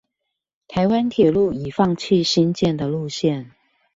臺灣鐵路已放棄興建的路線